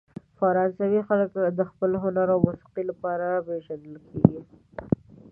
فرانسوي خلک د خپل هنر او موسیقۍ لپاره پېژندل کیږي.